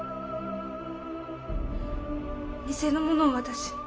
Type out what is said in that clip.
店のものを私。